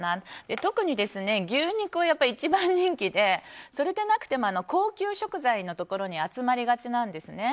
特に牛肉は一番人気でそれでなくても高級食材のところに集まりがちなんですね。